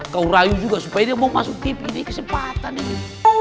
kau rayu juga supaya dia mau masuk tv di kesempatan ini